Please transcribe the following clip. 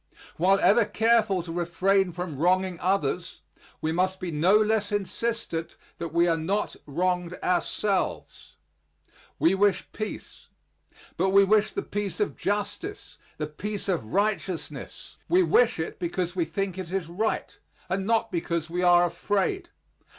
While ever careful to refrain from wronging others, we must be no less insistent that we are not wronged ourselves. We wish peace; but we wish the peace of justice, the peace of righteousness. We wish it because we think it is right, and not because we are afraid.